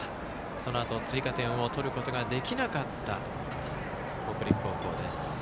そのあと追加点を取ることができなかった北陸高校です。